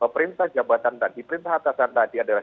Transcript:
perintah jabatan dan diperintah atasan tadi adalah